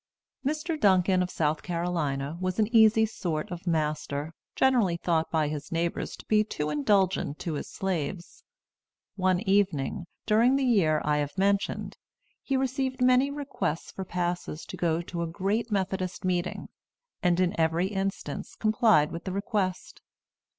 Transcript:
Mr. Duncan, of South Carolina, was an easy sort of master, generally thought by his neighbors to be too indulgent to his slaves. One evening, during the year I have mentioned, he received many requests for passes to go to a great Methodist meeting, and in every instance complied with the request.